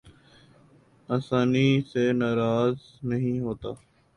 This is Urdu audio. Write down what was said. آسانی سے ناراض نہیں ہوتا